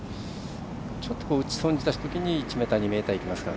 ちょっと打ち損じたときに１ｍ２ｍいきますから。